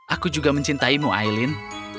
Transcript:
aku juga mencintaimu aileen